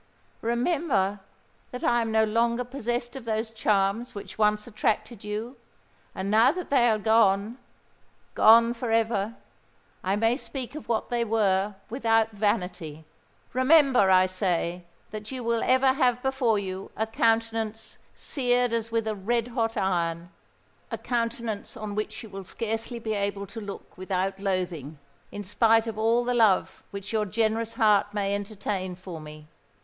"Remember that I am no longer possessed of those charms which once attracted you; and now that they are gone—gone for ever—I may speak of what they were without vanity! Remember, I say, that you will ever have before you a countenance seared as with a red hot iron,—a countenance on which you will scarcely be able to look without loathing in spite of all the love which your generous heart may entertain for me!